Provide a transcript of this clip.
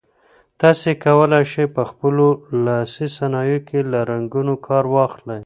تاسي کولای شئ په خپلو لاسي صنایعو کې له رنګونو کار واخلئ.